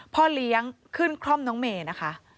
พ่อเลี้ยงขึ้นคล่อมน้องเมย์นะคะ